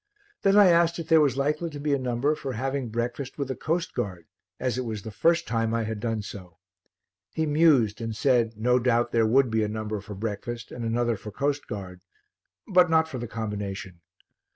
Then I asked if there was likely to be a number for having breakfast with a coastguard as it was the first time I had done so. He mused and said no doubt there would be a number for breakfast and another for coastguard, but not for the combination.